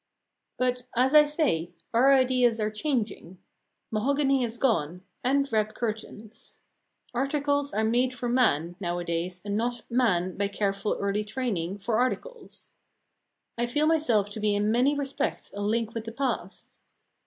But, as I say, our ideas are changing mahogany has gone, and repp curtains. Articles are made for man, nowadays, and not man, by careful early training, for articles. I feel myself to be in many respects a link with the past.